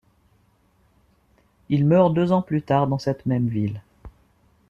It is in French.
Il meurt deux ans plus tard dans cette même ville.